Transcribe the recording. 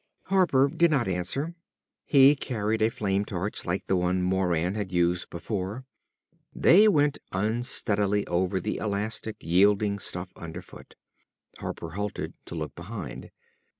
Harper did not answer. He carried a flame torch like the one Moran had used before. They went unsteadily over the elastic, yielding stuff underfoot. Harper halted, to look behind.